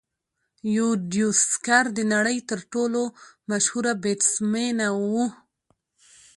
یوديوسکر د نړۍ تر ټولو مشهوره بیټسمېنه وه.